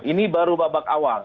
ini baru babak awal